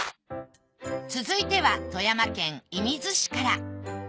続いては富山県射水市から。